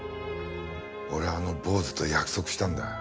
俺はあの坊主と約束したんだ。